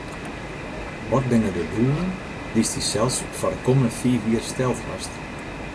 Wat binne de doelen dy’tst dysels foar de kommende fiif jier steld hast?